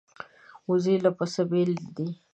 وزې له پسه بېله ده